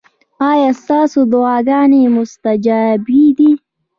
ایا ستاسو دعاګانې مستجابې دي؟